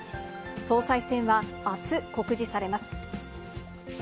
総裁選はあす告示されます。